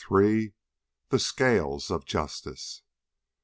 THE SCALES OF JUSTICE.